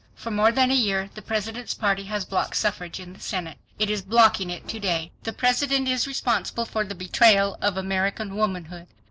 FOR MORE THAN A YEAR THE PRESIDENT'S PARTY HAS BLOCKED SUFFRAGE IN THE SENATE. IT IS BLOCKING IT TODAY. THE PRESIDENT IS RESPONSIBLE FOR THE BETRAYAL OF AMERICAN WOMANHOOD.